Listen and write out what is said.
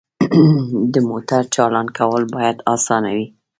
د موټر چالان کول باید اسانه وي.